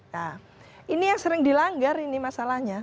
nah ini yang sering dilanggar ini masalahnya